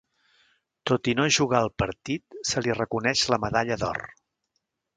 Tot i no jugar el partit se li reconeix la medalla d'or.